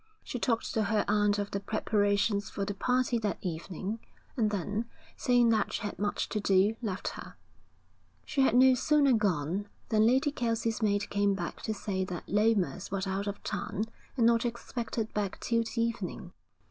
She talked to her aunt of the preparations for the party that evening, and then, saying that she had much to do, left her. She had no sooner gone than Lady Kelsey's maid came back to say that Lomas was out of town and not expected back till the evening.